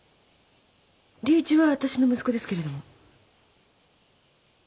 竜一はわたしの息子ですけれども。